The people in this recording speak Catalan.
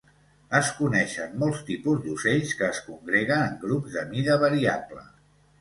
Es coneixen molts tipus d'ocells que es congreguen en grups de mida variable.